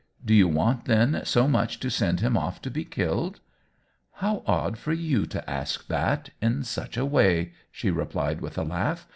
" Do you want, then, so much to send him off to be killed ?"" How odd for you to ask that — in such a way !" she replied, with a laugh.